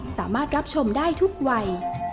สามารถรับชมได้ทุกวัย